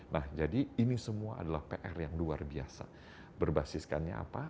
nah jadi ini semua adalah pr yang luar biasa berbasiskannya apa